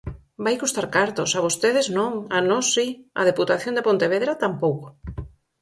Vai custar cartos; a vostedes, non; a nós, si; á Deputación de Pontevedra, tampouco.